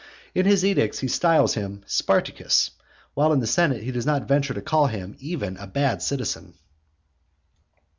In his edicts he styles him Spartacus, while in the senate he does not venture to call him even a bad citizen.